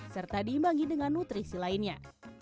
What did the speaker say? serta diimbangi dengan nutrisi lainnya